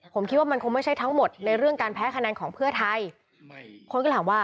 ผมคิดว่ามันคงไม่ใช่ทั้งหมดในเรื่องการแพ้คะแนนของเพื่อไทยคนก็ถามว่า